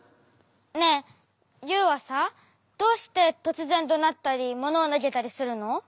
ねえユウはさどうしてとつぜんどなったりものをなげたりするの？